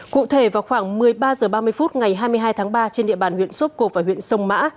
cụ thể vào khoảng một mươi ba h ba mươi phút ngày hai mươi hai tháng ba trên địa bàn huyện sốp cộp và huyện sông mã